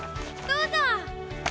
どうぞ。